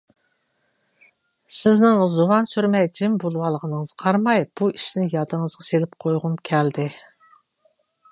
سىزنىڭ زۇۋان سۈرمەي جىم بولۇۋالغىنىڭىزغا قارىماي بۇ ئىشىنى يادىڭىزغا سېلىپ قويغۇم كەلدى.